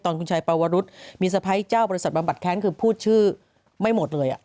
คุณชายปวรุษมีสะพ้ายเจ้าบริษัทบำบัดแค้นคือพูดชื่อไม่หมดเลย